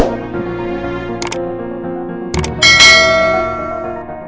hadirin dipercayakan duduk kembali